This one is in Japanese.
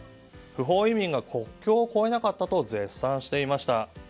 不法移民が国境を越えなかったと絶賛していました。